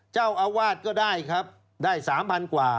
เจ้าอาวาสก็ได้ครับได้๓๐๐กว่า